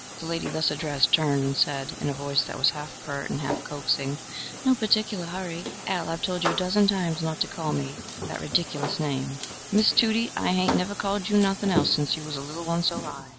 The lady thus addressed turned and said, in a voice that was half pert and half coaxing, "No particular hurry. Al, I've told you a dozen times not to call me that redicklis name." "Why, Tudie, I hain't never called you nothing else sence you was a little one so high.